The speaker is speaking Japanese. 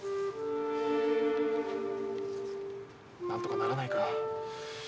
なんとかならないか？